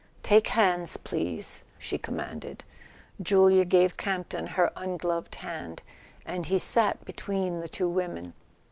"Take hands, please," she commanded. Julia gave Campton her ungloved hand, and he sat between the two women.